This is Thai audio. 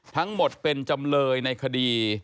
ทั้งหมดเป็นจำเลยในคดี